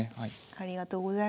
ありがとうございます。